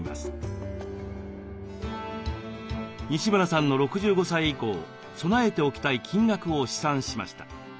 西村さんの６５歳以降備えておきたい金額を試算しました。